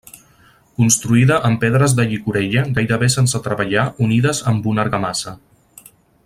Construïda amb pedres de llicorella gairebé sense treballar unides amb una argamassa.